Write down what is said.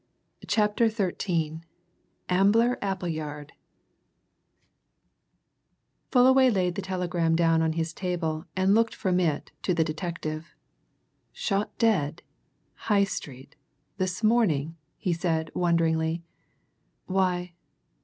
CHAPTER XIII AMBLER APPLEYARD Fullaway laid the telegram down on his table and looked from it to the detective. "Shot dead High Street this morning?" he said wonderingly. "Why!